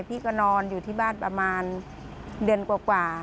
พี่ก็นอนอยู่ที่บ้านประมาณเดือนกว่า